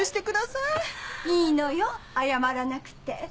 いいのよ謝らなくて。